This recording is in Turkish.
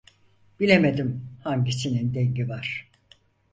Bilemedim hangisinin dengi var.